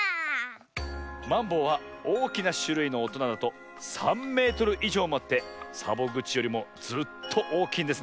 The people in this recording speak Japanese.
マンボウはおおきなしゅるいのおとなだと３メートルいじょうもあってサボぐちよりもずっとおおきいんですねえ。